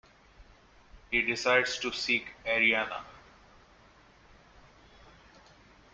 He decides to seek Arianna.